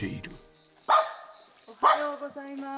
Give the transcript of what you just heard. おはようございます。